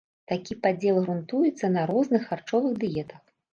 Такі падзел грунтуецца на на розных харчовых дыетах.